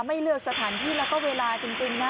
ไม่เลือกสถานที่แล้วก็เวลาจริงนะ